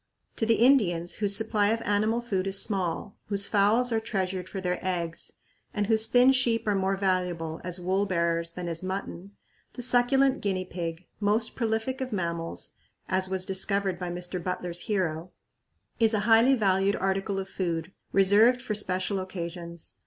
To the Indians whose supply of animal food is small, whose fowls are treasured for their eggs, and whose thin sheep are more valuable as wool bearers than as mutton, the succulent guinea pig, "most prolific of mammals," as was discovered by Mr. Butler's hero, is a highly valued article of food, reserved for special occasions.